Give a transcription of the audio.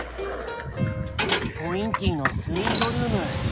ポインティのスイートルーム。